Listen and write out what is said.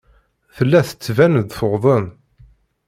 Tella tettban-d tuḍen.